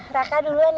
raka duluan ya